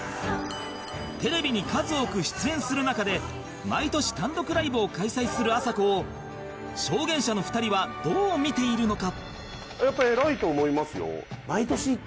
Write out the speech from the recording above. テレビに数多く出演する中で毎年単独ライブを開催するあさこを証言者の２人はどう見ているのか？